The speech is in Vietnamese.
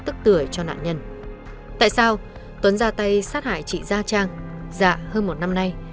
tức tửa cho nạn nhân tại sao tuấn ra tay sát hại chị gia trang dạ hơn một năm nay